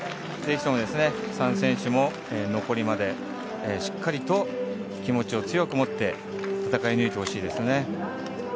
ぜひとも３選手とも残りまでしっかりと気持ちを強く持って戦い抜いてほしいですね。